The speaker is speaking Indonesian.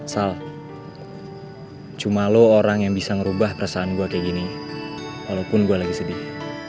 salah cuma lo orang yang bisa merubah perasaan gue kayak gini walaupun gue lagi sedih